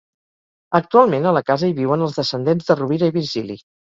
Actualment a la casa hi viuen els descendents de Rovira i Virgili.